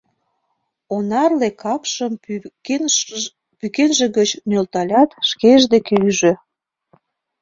Онарле капшым пӱкенже гыч нӧлталят, шкеж деке ӱжӧ: